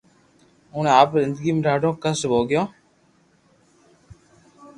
اوڻي آپري زندگي ۾ ڌاڌو ڪسٽ ڀوگيو